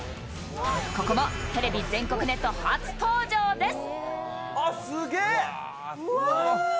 ここもテレビ全国ネット初登場です。